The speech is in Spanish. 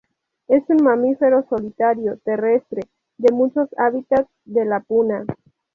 Es un mamífero solitario, terrestre, de muchos hábitats de la Puna.